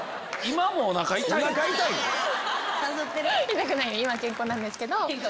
今健康なんですけど。